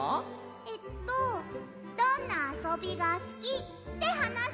えっと「どんなあそびがすき？」ってはなし。